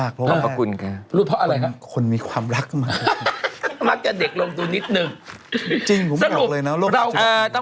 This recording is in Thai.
ขอบคุณค่ะคนมีความรักมากเลยค่ะ